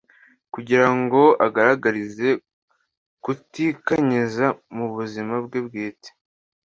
kugira ngo agaragarize kutikanyiza mu buzima bwe bwite